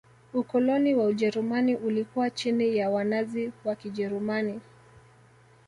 ukoloni wa ujerumani ulikuwa chini ya wanazi wa kijerumani